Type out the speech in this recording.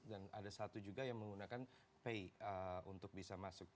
dan ada satu juga yang menggunakan pay untuk bisa masuk